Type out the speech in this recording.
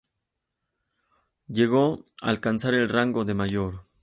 Llegó a alcanzar el rango de mayor.